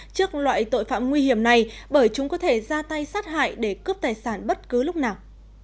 trước loại tội phạm nguy hiểm này bởi chúng có thể ra tay sát hại để cướp tài sản bất cứ lúc nào